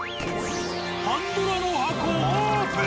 パンドラの箱オープン！